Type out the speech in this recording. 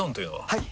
はい！